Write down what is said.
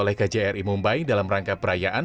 oleh kjri mumbai dalam rangka perayaan